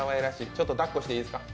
ちょっと抱っこしていいですか？